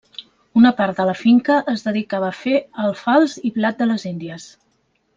Una part de la finca es dedicava a fer alfals i blat de les índies.